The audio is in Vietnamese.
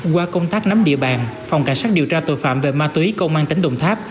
qua công tác nắm địa bàn phòng cảnh sát điều tra tội phạm về ma túy công an tỉnh đồng tháp